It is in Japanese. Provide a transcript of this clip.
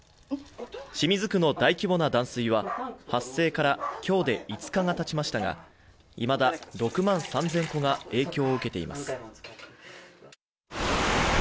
清水区の大規模な断水は発生から今日で５日がたちましたが、いまだ６万３０００戸が影響を受けています。